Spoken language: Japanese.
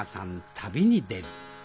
旅に出る。